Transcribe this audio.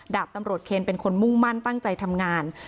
ดาบตำรวจเคนเป็นคนมุ่งมั่นตั้งใจทำงาน